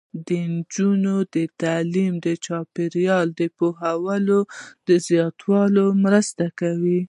د نجونو تعلیم د چاپیریال پوهاوي زیاتولو مرسته کوي.